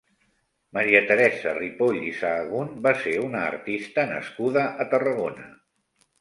MariaTeresa Ripoll i Sahagún va ser una artista nascuda a Tarragona.